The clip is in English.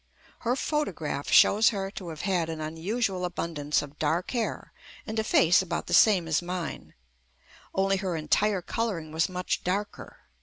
Her photograph shows her to have had an unusual abundance of dark hair and a face about the same as mine, only her entire coloring was much darker.